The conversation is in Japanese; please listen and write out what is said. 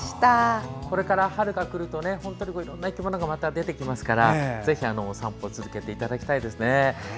これから春がくるといろんな生き物がまた、出てきますからぜひ、お散歩を続けていただきたいですね。